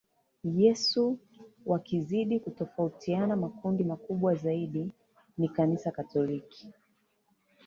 Yesu wakizidi kutofautiana Makundi makubwa zaidi ni Kanisa Katoliki